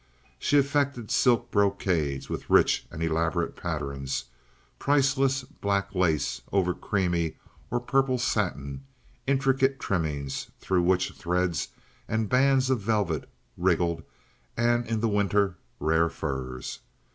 She affected silk brocades with rich and elaborate patterns, priceless black lace over creamy or purple satin, intricate trimmings through which threads and bands of velvet wriggled, and in the winter rare furs.